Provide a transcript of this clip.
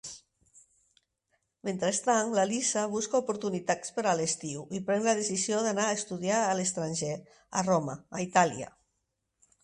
Mentrestant, la Lisa busca oportunitats per a l'estiu i pren la decisió d'anar a estudiar a l'estranger, a Roma, a Itàlia.